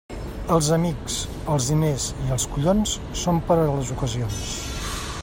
Els amics, els diners i els collons són per a les ocasions.